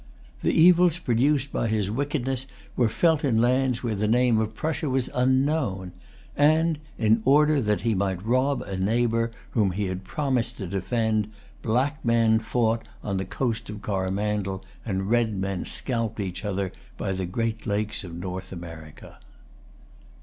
The evils produced by his wickedness were felt in lands where the name of Prussia was unknown; and, in order that he might rob a neighbor whom he had promised to defend, black men fought on the coast of Coromandel, and red men scalped each other by the Great Lakes of North America.